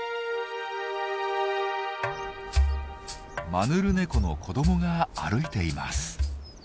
マヌルネコの子どもが歩いています。